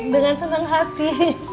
dengan senang hati